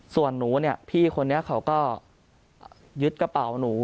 ส่วนหนูเนี่ยพี่คนนี้เขาก็ยึดกระเป๋าหนู